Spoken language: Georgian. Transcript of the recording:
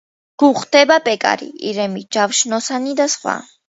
გვხვდება პეკარი, ირემი, ჯავშნოსანი და სხვა.